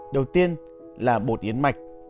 đầu tiên là bột yến mạch